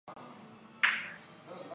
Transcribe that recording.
他们早年一同求学于周敦颐。